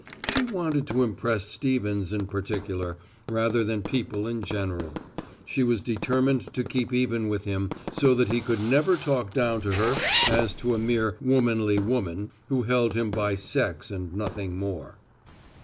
She wanted to impress Stevens in particular, rather than people in general she was determined to keep even with him so that he could never talk down to her as to a mere "womanly woman" who held him by sex and nothing more.